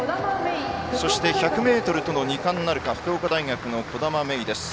そして１００ｍとの２冠なるか福岡大学の兒玉芽生です。